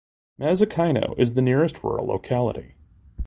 Mazikino is the nearest rural locality.